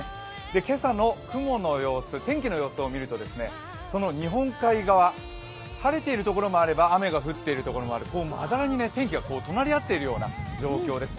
今朝の雲の様子、天気の様子を見ると、その日本海側、晴れているところもあれば降っているところもある、まだらに天気が隣り合っているような状況です。